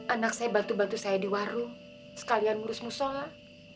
anak saya batu bantu saya di warung sekalian ngurus musola